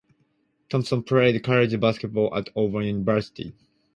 Thompson played college basketball at Auburn University.